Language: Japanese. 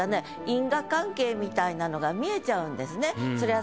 因果関係みたいなのが見えちゃうんですね。